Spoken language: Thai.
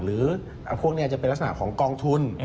หรือพวกนี้จะเป็นลักษณะของกองทุน